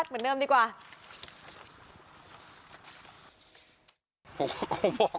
กลับมาเป็นเสียชัดเหมือนเดิมดีกว่า